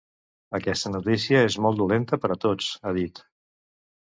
"Aquesta notícia és molt dolenta per a tots", ha dit.